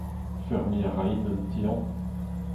Feurmiñ a raint un ti-hañv.